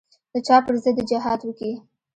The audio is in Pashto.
د چا پر ضد دې جهاد وکي.